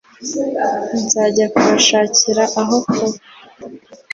nzajya kubashakira aho kuba